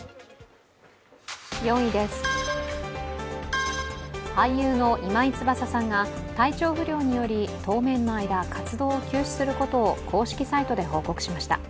４位です、俳優の今井翼さんが体調不良により当面の間、活動を休止することを、公式サイトで報告しました。